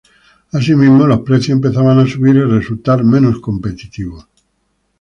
Así mismo, los precios empezaban a subir y resultar menos competitivos.